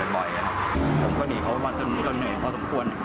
ผมก็หนีเขามาจนเหนื่อยพอสมควร